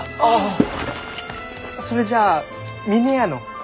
それじゃあ峰屋の？